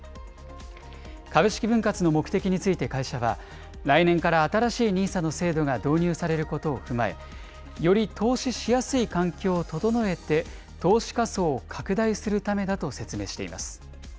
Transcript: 株式分割の目的について会社は、来年から新しいＮＩＳＡの制度が導入されることを踏まえ、より投資しやすい環境を整えて、投資家層を拡大するためだと説明しています。